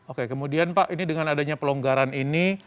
oke kemudian pak ini dengan adanya pelonggaran ini